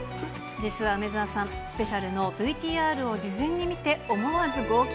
実は梅澤さん、スペシャルのＶＴＲを事前に見て、思わず号泣。